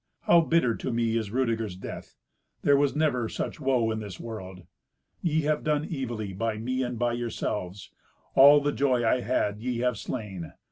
how bitter to me is Rudeger's death! There was never such woe in this world. Ye have done evilly by me and by yourselves. All the joy I had ye have slain.